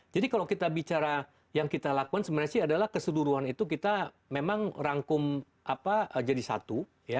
jadi kalau kita bicara yang kita lakukan sebenarnya sih adalah keseluruhan itu kita memang rangkum apa jadi satu